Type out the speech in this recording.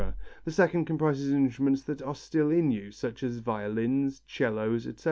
the second comprises instruments still in use such as violins, 'cellos, etc.